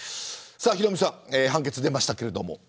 ヒロミさん判決出ましたけれども。